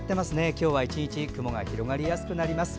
今日は１日雲が広がりやすくなります。